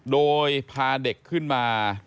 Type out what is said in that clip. โดยพาเด็กขึ้นมา